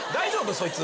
そいつ。